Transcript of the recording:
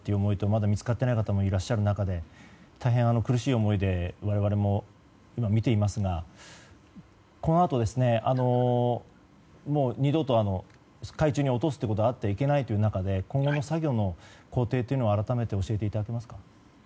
まだ見つかっていない方もおられる中で大変苦しい思いで我々も見ていますがこのあと、２度と海中に落とすということはあってはいけないという中で今後の作業の工程を改めて教えていただけますか。